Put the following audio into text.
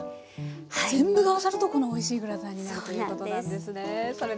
全部が合わさるとこのおいしいグラタンになるということなんですね。